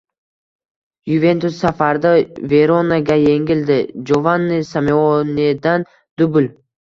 “Yuventus” safarda “Verona”ga yengildi, Jovanni Simeonedan dubl